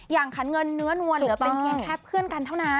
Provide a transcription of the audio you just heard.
ขันเงินเนื้อนวลเป็นเพียงแค่เพื่อนกันเท่านั้น